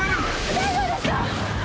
大丈夫ですか！？